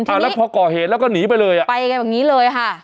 อ่าแล้วพอก่อเหตุแล้วก็หนีไปเลยอ่ะไปกันแบบนี้เลยค่ะ